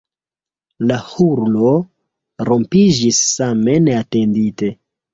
La hurlo rompiĝis same neatendite.